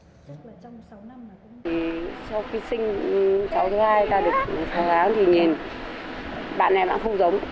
sau khi sinh cháu thứ hai ta được khó kháng thì nhìn bạn này bạn không giống